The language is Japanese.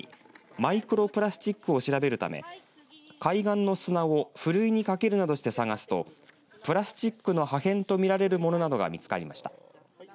マイクロプラスチックを調べるため海岸の砂をふるいにかけるなどして探すとプラスチックの破片と見られるのものなどが見つかりました。